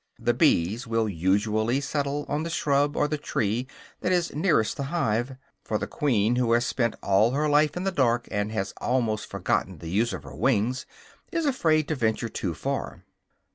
The bees will usually settle on the shrub or the tree that is nearest the hive; for the queen, who has spent all her life in the dark and has almost forgotten the use of her wings, is afraid to venture too far.